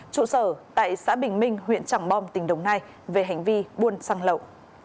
trụ sở tại xã bình minh huyện trảng bom tỉnh đồng nai về hành vi buôn xăng lậu